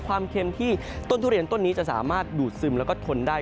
เค็มที่ต้นทุเรียนต้นนี้จะสามารถดูดซึมแล้วก็ทนได้